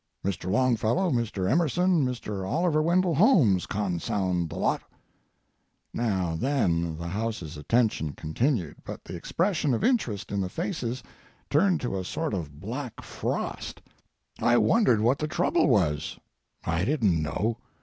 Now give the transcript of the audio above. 'Mr. Longfellow, Mr. Emerson, Mr. Oliver Wendell Holmes, consound the lot—'" Now, then, the house's attention continued, but the expression of interest in the faces turned to a sort of black frost. I wondered what the trouble was. I didn't know.